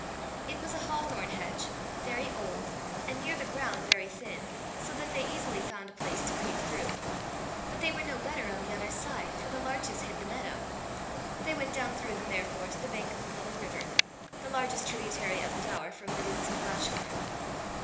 It was a hawthorn hedge, very old, and near the ground very thin, so that they easily found a place to creep through. But they were no better on the other side, for the larches hid the meadow. They went down through them, therefore, to the bank of the little river the largest tributary of the Daur from the roots of Glashgar.